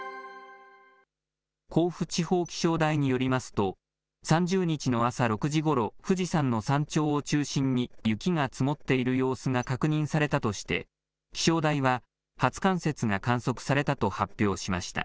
甲府地方気象台によりますと、３０日の朝６時ごろ、富士山の山頂を中心に雪が積もっている様子が確認されたとして、気象台は、初冠雪が観測されたと発表しました。